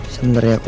sember ya ku